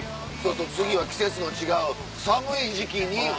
次は季節の違う寒い時期に。